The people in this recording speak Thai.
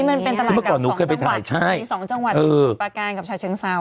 ที่มันเป็นตลาดกับสองจังหวัดที่ประการกับฉะเชิงเซา